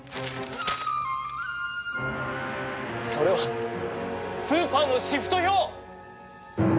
それはスーパーのシフト表！